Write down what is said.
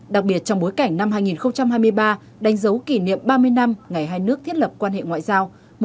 đặc biệt trong bối cảnh năm hai nghìn hai mươi ba đánh dấu kỷ niệm ba mươi năm ngày hai nước thiết lập quan hệ ngoại giao